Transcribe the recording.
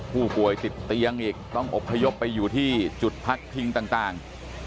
ผู้ป่วยติดเตียงอีกต้องอบพยพไปอยู่ที่จุดพักพิงต่าง